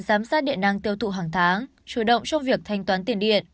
giám sát điện năng tiêu thụ hàng tháng chủ động trong việc thanh toán tiền điện